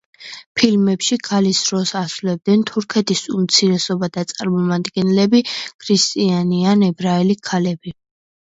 ფილმებში, ქალის როლს ასრულებდნენ თურქეთის უმცირესობათა წარმომადგენლები, ქრისტიანი ან ებრაელი ქალები.